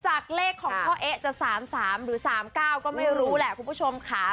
จากเลขของพ่อเอ๊ะจะ๓๓หรือ๓๙ก็ไม่รู้แหละคุณผู้ชมค่ะ